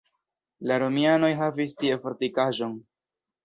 La romianoj havis tie fortikaĵon.